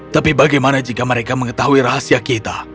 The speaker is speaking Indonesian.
tapi bagaimana jika mereka mengetahui rahasia kita